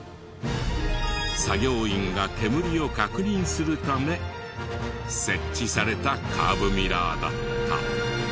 作業員が煙を確認するため設置されたカーブミラーだった。